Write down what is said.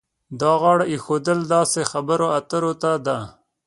دا غاړه ایښودل داسې خبرو اترو ته ده.